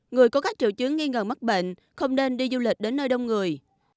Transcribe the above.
người có các triệu chứng nghi ngờ mắc bệnh không nên đi du lịch đến nơi đông người